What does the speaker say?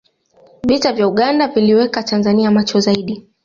vita vya uganda viliiweka tanzania macho zaidi